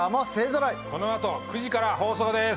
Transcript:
この後９時から放送です。